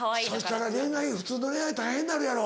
そしたら恋愛普通の恋愛大変になるやろ。